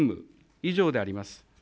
以上であります。